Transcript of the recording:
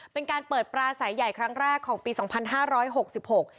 เป็นการเปิดปลาสายใหญ่ครั้งแรกของปีสองพันห้าร้อยหกสิบหก